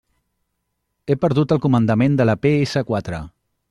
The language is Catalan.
He perdut el comandament de la pe essa quatre.